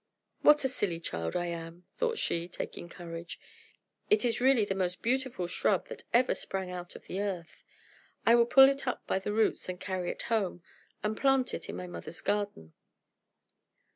"What a silly child I am!" thought she, taking courage. "It is really the most beautiful shrub that ever sprang out of the earth. I will pull it up by the roots, and carry it home, and plant it in my mother's garden."